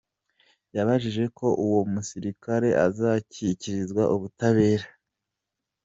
Yabijeje ko uwo musirikare azashyikizwa ubutabera.